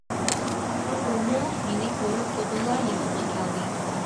ئۇمۇ مېنى كۆرۈپ ئۇدۇللا يېنىمغا كەلدى.